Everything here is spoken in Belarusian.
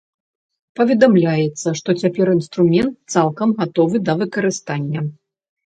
Паведамляецца, што цяпер інструмент цалкам гатовы да выкарыстання.